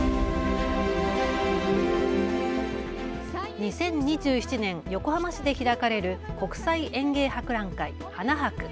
２０２７年、横浜市で開かれる国際園芸博覧会、花博。